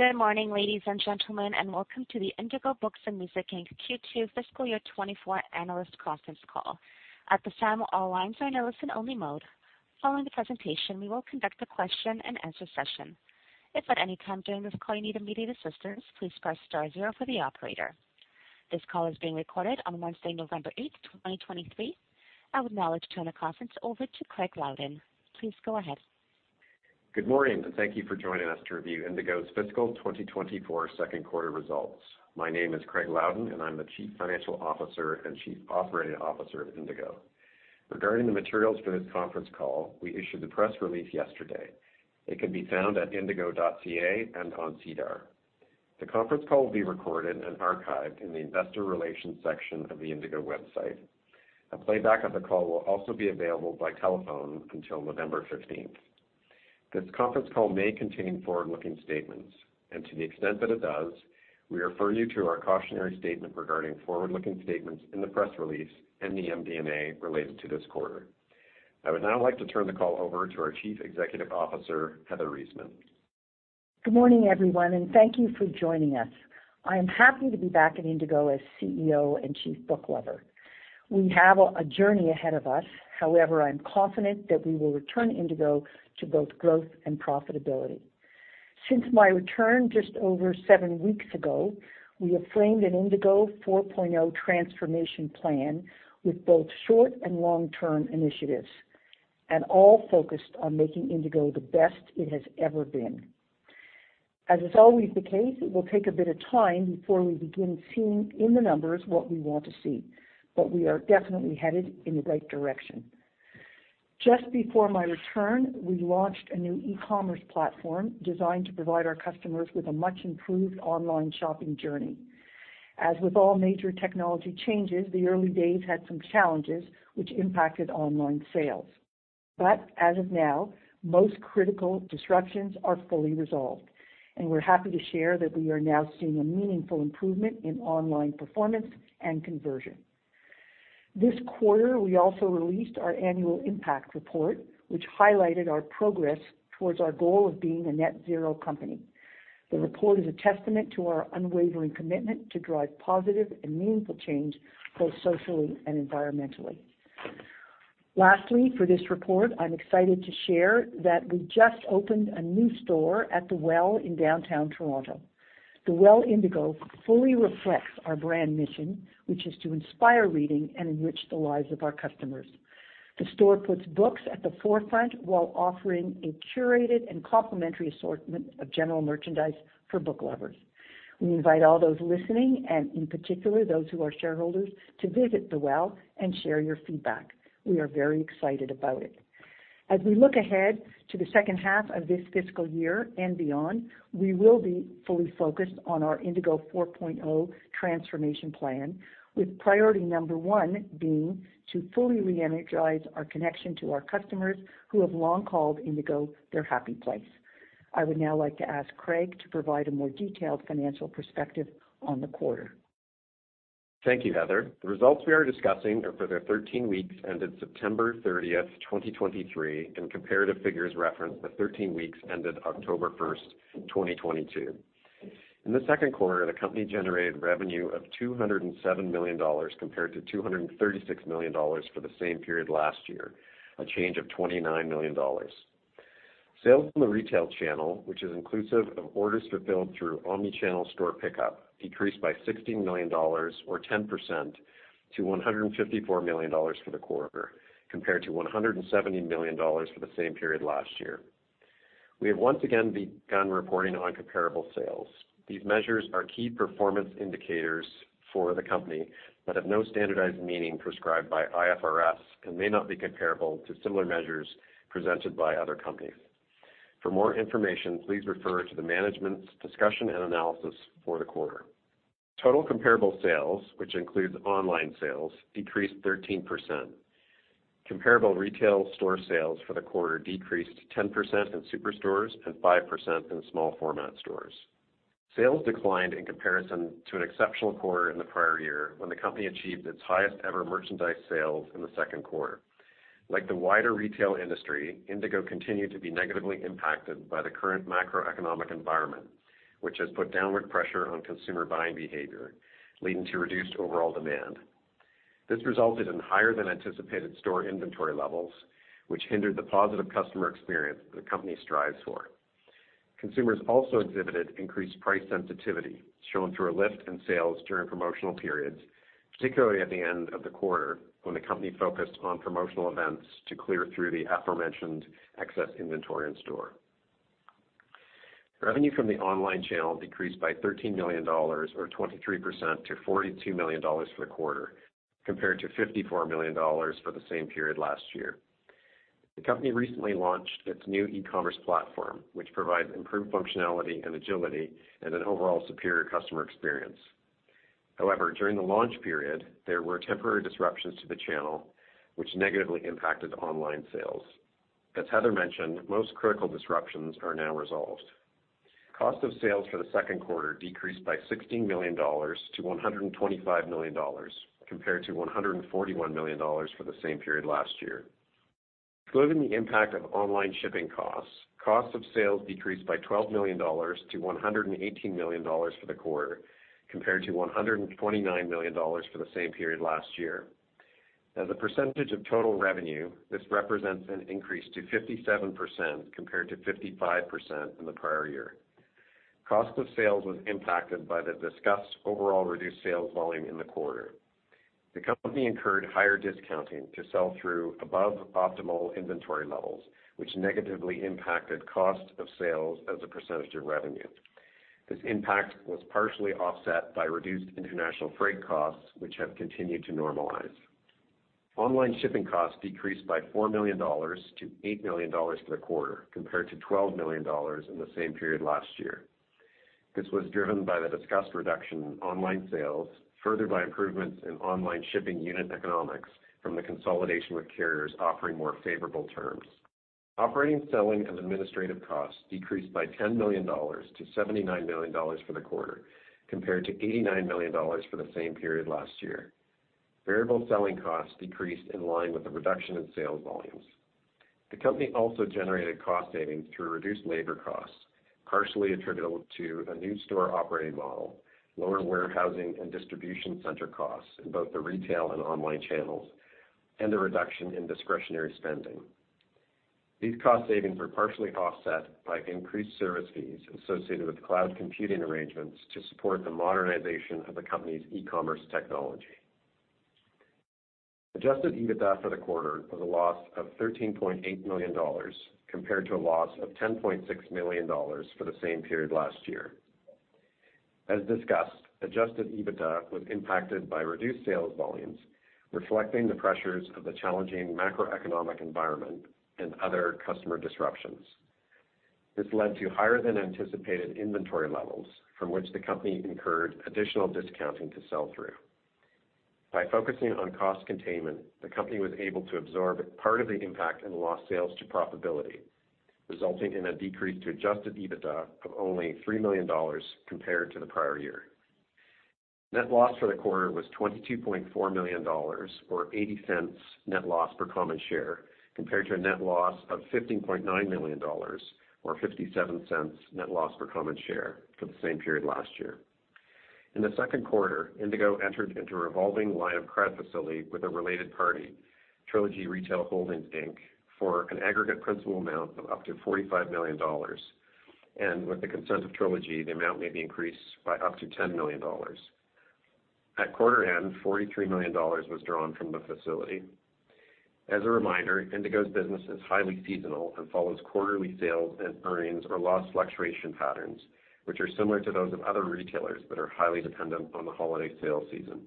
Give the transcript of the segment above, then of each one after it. Good morning, ladies and gentlemen, and welcome to the Indigo Books & Music Inc.'s Q2 fiscal year 2024 analyst conference call. At this time, all lines are in listen-only mode. Following the presentation, we will conduct a question-and-answer session. If at any time during this call you need immediate assistance, please press star zero for the operator. This call is being recorded on Wednesday, November 8, 2023. I would now like to turn the conference over to Craig Loudon. Please go ahead. Good morning, and thank you for joining us to review Indigo's fiscal 2024 second quarter results. My name is Craig Loudon, and I'm the Chief Financial Officer and Chief Operating Officer of Indigo. Regarding the materials for this conference call, we issued the press release yesterday. It can be found at indigo.ca and on SEDAR. The conference call will be recorded and archived in the investor relations section of the Indigo website. A playback of the call will also be available by telephone until November 15th. This conference call may contain forward-looking statements, and to the extent that it does, we refer you to our cautionary statement regarding forward-looking statements in the press release and the MD&A related to this quarter. I would now like to turn the call over to our Chief Executive Officer, Heather Reisman. Good morning, everyone, and thank you for joining us. I am happy to be back at Indigo as CEO and Chief Booklover. We have a journey ahead of us. However, I'm confident that we will return Indigo to both growth and profitability. Since my return just over seven weeks ago, we have framed an Indigo 4.0 transformation plan with both short- and long-term initiatives, and all focused on making Indigo the best it has ever been. As is always the case, it will take a bit of time before we begin seeing in the numbers what we want to see, but we are definitely headed in the right direction. Just before my return, we launched a new e-commerce platform designed to provide our customers with a much-improved online shopping journey. As with all major technology changes, the early days had some challenges which impacted online sales. But as of now, most critical disruptions are fully resolved, and we're happy to share that we are now seeing a meaningful improvement in online performance and conversion. This quarter, we also released our Annual Impact Report, which highlighted our progress towards our goal of being a net zero company. The report is a testament to our unwavering commitment to drive positive and meaningful change, both socially and environmentally. Lastly, for this report, I'm excited to share that we just opened a new store at The Well in downtown Toronto. The Well Indigo fully reflects our brand mission, which is to inspire reading and enrich the lives of our customers. The store puts books at the forefront while offering a curated and complementary assortment of general merchandise for book lovers. We invite all those listening, and in particular, those who are shareholders, to visit The Well and share your feedback. We are very excited about it. As we look ahead to the second half of this fiscal year and beyond, we will be fully focused on our Indigo 4.0 transformation plan, with priority number one being to fully reenergize our connection to our customers who have long called Indigo their happy place. I would now like to ask Craig to provide a more detailed financial perspective on the quarter. Thank you, Heather. The results we are discussing are for the 13 weeks ended September 30th, 2023, and comparative figures reference the 13 weeks ended October 1st, 2022. In the second quarter, the company generated revenue of 207 million dollars, compared to 236 million dollars for the same period last year, a change of 29 million dollars. Sales in the retail channel, which is inclusive of orders fulfilled through omnichannel store pickup, decreased by 16 million dollars, or 10%, to 154 million dollars for the quarter, compared to 170 million dollars for the same period last year. We have once again begun reporting on comparable sales. These measures are key performance indicators for the company that have no standardized meaning prescribed by IFRS and may not be comparable to similar measures presented by other companies. For more information, please refer to the Management's Discussion and Analysis for the quarter. Total comparable sales, which includes online sales, decreased 13%. Comparable retail store sales for the quarter decreased 10% in superstores and 5% in small format stores. Sales declined in comparison to an exceptional quarter in the prior year, when the company achieved its highest-ever merchandise sales in the second quarter. Like the wider retail industry, Indigo continued to be negatively impacted by the current macroeconomic environment, which has put downward pressure on consumer buying behavior, leading to reduced overall demand. This resulted in higher-than-anticipated store inventory levels, which hindered the positive customer experience the company strives for. Consumers also exhibited increased price sensitivity, shown through a lift in sales during promotional periods, particularly at the end of the quarter, when the company focused on promotional events to clear through the aforementioned excess inventory in store. Revenue from the online channel decreased by 13 million dollars, or 23%, to 42 million dollars for the quarter, compared to 54 million dollars for the same period last year. The company recently launched its new e-commerce platform, which provides improved functionality and agility and an overall superior customer experience. However, during the launch period, there were temporary disruptions to the channel, which negatively impacted online sales. As Heather mentioned, most critical disruptions are now resolved. Cost of sales for the second quarter decreased by 16 million dollars to 125 million dollars, compared to 141 million dollars for the same period last year. Excluding the impact of online shipping costs, cost of sales decreased by 12 million dollars to 118 million dollars for the quarter, compared to 129 million dollars for the same period last year. As a percentage of total revenue, this represents an increase to 57%, compared to 55% in the prior year. Cost of sales was impacted by the discussed overall reduced sales volume in the quarter. The company incurred higher discounting to sell through above optimal inventory levels, which negatively impacted cost of sales as a percentage of revenue. This impact was partially offset by reduced international freight costs, which have continued to normalize. Online shipping costs decreased by 4 million dollars to 8 million dollars for the quarter, compared to 12 million dollars in the same period last year. This was driven by the discussed reduction in online sales, further by improvements in online shipping unit economics from the consolidation with carriers offering more favorable terms. Operating, selling and administrative costs decreased by 10 million dollars to 79 million dollars for the quarter, compared to 89 million dollars for the same period last year. Variable selling costs decreased in line with the reduction in sales volumes. The company also generated cost savings through reduced labor costs, partially attributable to a new store operating model, lower warehousing and distribution center costs in both the retail and online channels, and a reduction in discretionary spending. These cost savings were partially offset by increased service fees associated with cloud computing arrangements to support the modernization of the company's e-commerce technology. Adjusted EBITDA for the quarter was a loss of 13.8 million dollars, compared to a loss of 10.6 million dollars for the same period last year. As discussed, adjusted EBITDA was impacted by reduced sales volumes, reflecting the pressures of the challenging macroeconomic environment and other customer disruptions. This led to higher than anticipated inventory levels, from which the company incurred additional discounting to sell through. By focusing on cost containment, the company was able to absorb part of the impact in lost sales to profitability, resulting in a decrease to adjusted EBITDA of only 3 million dollars compared to the prior year. Net loss for the quarter was 22.4 million dollars, or 0.80 net loss per common share, compared to a net loss of 15.9 million dollars, or 0.57 net loss per common share for the same period last year. In the second quarter, Indigo entered into a revolving line of credit facility with a related party, Trilogy Retail Holdings Inc., for an aggregate principal amount of up to 45 million dollars, and with the consent of Trilogy, the amount may be increased by up to 10 million dollars. At quarter end, 43 million dollars was drawn from the facility. As a reminder, Indigo's business is highly seasonal and follows quarterly sales and earnings or loss fluctuation patterns, which are similar to those of other retailers that are highly dependent on the holiday sales season.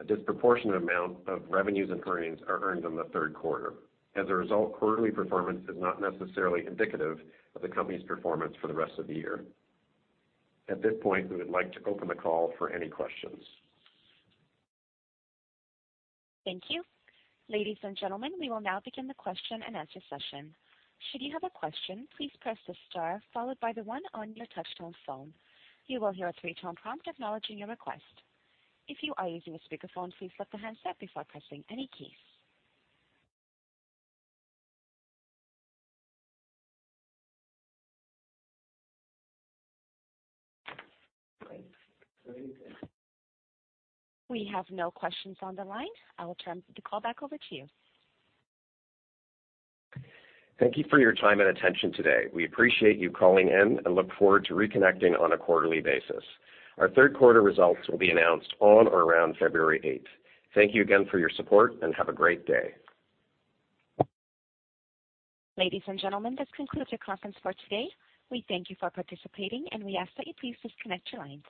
A disproportionate amount of revenues and earnings are earned in the third quarter. As a result, quarterly performance is not necessarily indicative of the company's performance for the rest of the year. At this point, we would like to open the call for any questions. Thank you. Ladies and gentlemen, we will now begin the question-and-answer session. Should you have a question, please press the star followed by the one on your touch-tone phone. You will hear a three-tone prompt acknowledging your request. If you are using a speakerphone, please flip the handset before pressing any keys. We have no questions on the line. I will turn the call back over to you. Thank you for your time and attention today. We appreciate you calling in and look forward to reconnecting on a quarterly basis. Our third quarter results will be announced on or around February 8th. Thank you again for your support, and have a great day. Ladies and gentlemen, this concludes your conference for today. We thank you for participating, and we ask that you please disconnect your lines.